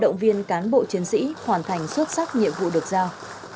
động viên cán bộ chiến sĩ hoàn thành xuất sắc nhiệm vụ được giao